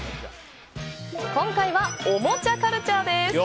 今回はおもちゃカルチャーです。